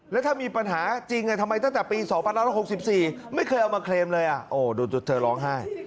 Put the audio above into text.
แล้วถ้ามีปัญหาจริงทำไมตั้งแต่ปี๒๑๖๔ไม่เคยเอามาเคลมเลยดูเธอร้องไห้